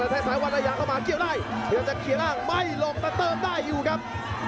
แต่สายวันอยากเอาหมาเกี่ยวได้เพื่อจะเคียงอ้างไม่หลงแต่เติมได้อยู่ครับ